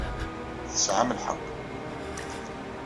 Tesɛam lḥeq.